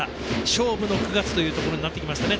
勝負の９月というところになってきましたね